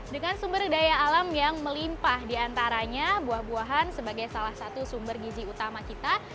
dengan sumber daya alam yang melimpah diantaranya buah buahan sebagai salah satu sumber gizi utama kita